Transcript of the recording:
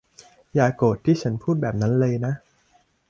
อย่าโกรธที่ฉันพูดแบบนั้นเลยนะ